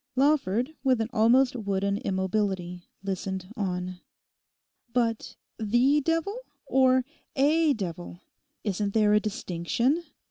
Lawford, with an almost wooden immobility, listened on. 'But the devil, or a devil? Isn't there a distinction?